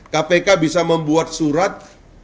kpk bisa membuat surat